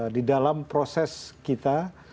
di dalam proses kita